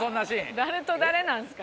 誰と誰なんですか？